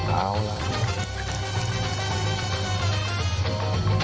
เอาล่ะ